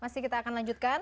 masih kita akan lanjutkan